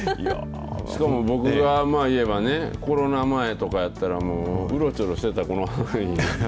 しかも、僕が、まあ、言えばね、コロナ前とかやったら、うろちょろしてたこの範囲。